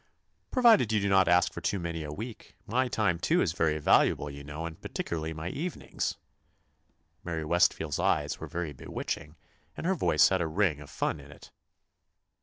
"Provided you do not ask for too many a week. My time, too, is very valuable, you know, and particularly my evenings." Mary Westfield's eyes were very bewitching, and her voice had a ring of fun in it.